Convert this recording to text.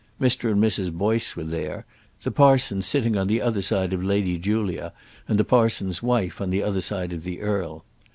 Mr. and Mrs. Boyce were there, the parson sitting on the other side of Lady Julia, and the parson's wife on the other side of the earl.